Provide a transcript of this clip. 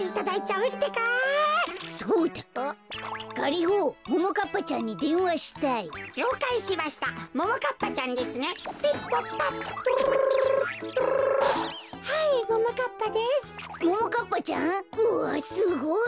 うわっすごい！